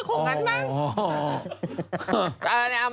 เออคงอย่างนั้นบ้าง